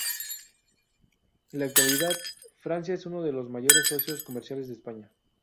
En la actualidad, Francia es uno de los mayores socios comerciales de España.